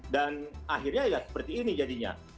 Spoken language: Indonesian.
dan akhirnya ya seperti ini jadinya